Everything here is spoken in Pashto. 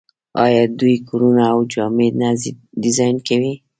آیا دوی کورونه او جامې نه ډیزاین کوي؟